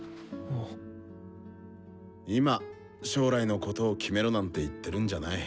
今将来のことを決めろなんて言ってるんじゃない。